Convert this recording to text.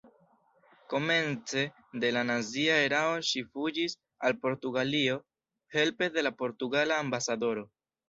Komence de la nazia erao ŝi fuĝis al Portugalio helpe de la portugala ambasadoro.